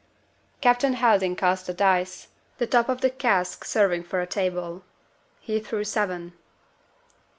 '" Captain Helding cast the dice; the top of the cask serving for a table. He threw seven.